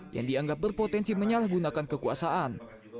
yang dianggap berpotensi menyalahgunakan kekuasaan